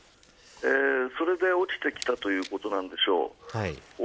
それで落ちてきたということなんでしょう。